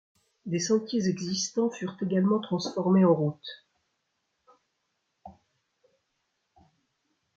Des sentiers existants furent également transformés en routes.